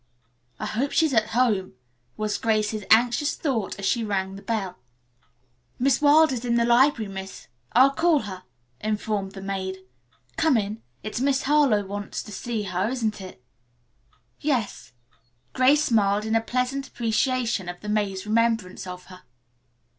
"I hope she's at home," was Grace's anxious thought as she rang the bell. "Miss Wilder's in the library, miss. I'll call her," informed the maid. "Come in. It's Miss Harlowe wants to see her, isn't it?" "Yes," Grace smiled in pleasant appreciation of the maid's remembrance of her.